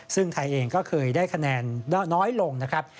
ซึ่งไทยเองก็เคยได้คะแนนน้อยลงนะครับ